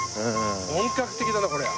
本格的だなこりゃ。